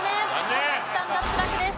小瀧さん脱落です。